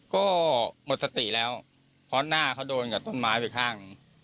ก็หมดสติแล้วเพราะหน้าเขาโดนกับต้นไม้ไปข้าง